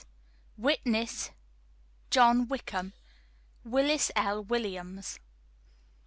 ] "Witness: JOHN WICKHAM, "WILLIS L. WILLIAMS."